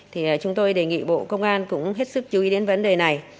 thì chúng tôi đề nghị bộ công an cũng hết sức chú ý đến vấn đề này